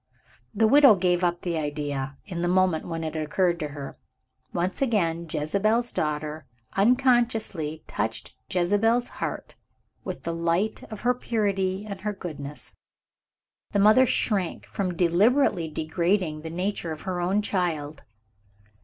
The widow gave up the idea, in the moment when it occurred to her. Once again, "Jezebel's Daughter" unconsciously touched Jezebel's heart with the light of her purity and her goodness. The mother shrank from deliberately degrading the nature of her own child.